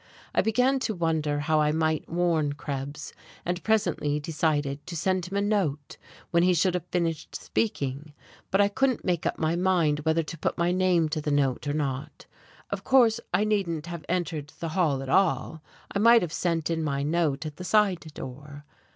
I began to wonder how I might warn Krebs, and presently decided to send him a note when he should have finished speaking but I couldn't make up my mind whether to put my name to the note or not. Of course I needn't have entered the hall at all: I might have sent in my note at the side door.